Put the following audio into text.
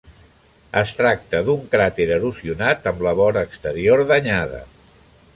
Es tracta d'un cràter erosionat amb la vora exterior danyada.